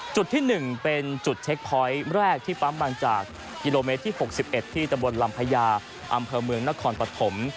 จุดที่หนึ่งเป็นจุดเทคพอยต์แรกที่ปั๊มมาจากกิโลเมตรที่หกสิบเอ็ดที่ตำบลลำพญาอำเภอเมืองนครปฐม